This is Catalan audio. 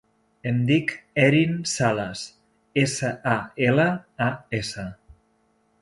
Em dic Erin Salas: essa, a, ela, a, essa.